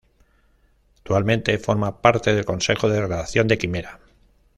Actualmente forma parte del Consejo de Redacción de "Quimera.